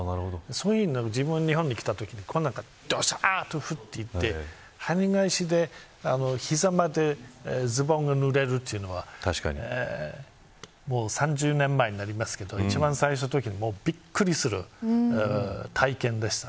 自分が日本に来たときこんなにどしゃーっと降ってきて膝までズボンがぬれるというのは３０年前になりますけど一番最初のときびっくりする体験でした。